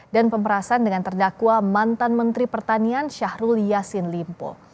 dan pemerasan dengan terdakwa mantan menteri pertanian syahrul yassin limpo